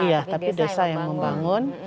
iya tapi desa yang membangun